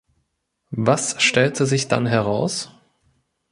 Was stellte sich dann heraus?